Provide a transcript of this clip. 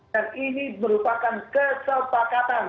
dan ini merupakan kesepakatan